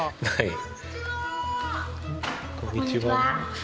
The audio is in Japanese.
はい。